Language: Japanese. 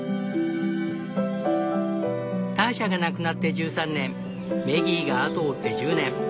ターシャが亡くなって１３年メギーが後を追って１０年。